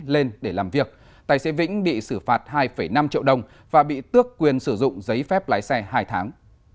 lên để làm việc tài xế vĩnh bị xử phạt hai năm triệu đồng và bị tước quyền sử dụng giấy phép lái xe hai tháng